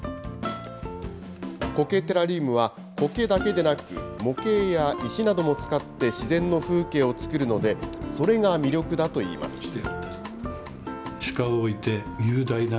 苔テラリウムは、苔だけでなく、模型や石なども使って自然の風景を作るので、それが魅力だといいます。